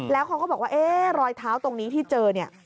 แล้วเขาก็บอกว่ารอยเท้าตรงนี้ที่เจอ